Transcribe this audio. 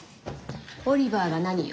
オリバーが何よ？